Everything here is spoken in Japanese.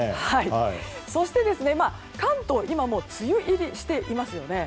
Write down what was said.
そして関東、今もう梅雨入りしていますよね。